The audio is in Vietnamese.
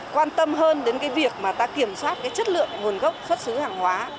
quan tâm hơn đến cái việc mà ta kiểm soát cái chất lượng nguồn gốc xuất xứ hàng hóa